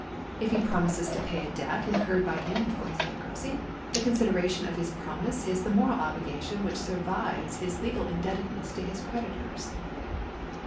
If he promises to pay a debt incurred by him before his bankruptcy, the consideration of his promise is the moral obligation which survives his legal indebtedness to his creditors.